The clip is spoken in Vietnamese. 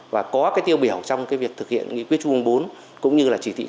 và có tiêu biểu trong việc thực hiện nghị quyết chung bốn cũng như chỉ thị năm